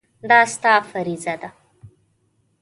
دا ستا فریضه ده.